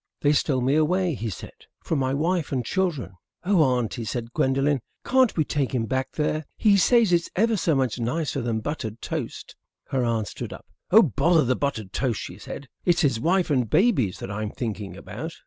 "They stole me away," he said, "from my wife and children." "Oh, Auntie," said Gwendolen, "can't we take him back there? He says it's ever so much nicer than buttered toast." Her aunt stood up. "Oh, bother the buttered toast," she said. "It's his wife and babies that I'm thinking about."